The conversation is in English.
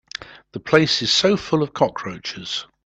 The place is so full of cockroaches.